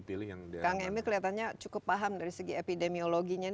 nah ini kang emy kelihatannya cukup paham dari segi epidemiologinya